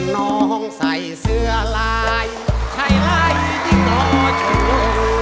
น้องใส่เสื้อลายใช้ไลน์ที่ต่อชู